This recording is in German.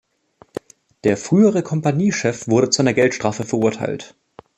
Der frühere Kompaniechef wurde zu einer Geldstrafe verurteilt.